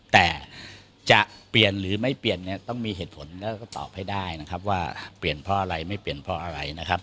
แต่จะเปลี่ยนหรือไม่เปลี่ยนเนี่ยต้องมีเหตุผลแล้วก็ตอบให้ได้นะครับว่าเปลี่ยนเพราะอะไรไม่เปลี่ยนเพราะอะไรนะครับ